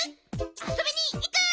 あそびにいく？